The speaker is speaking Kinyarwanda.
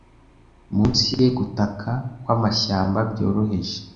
Munsi ye, gutaka kwamashyamba byoroheje